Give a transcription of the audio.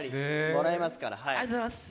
ありがとうございます！